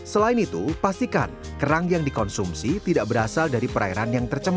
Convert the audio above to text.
selain itu pastikan kerang yang dikonsumsi tidak berasal dari perairan yang tercemar